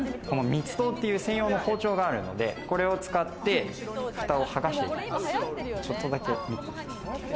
蜜刀っていう専用の包丁があるのでこれを使って蓋を剥がしていきます。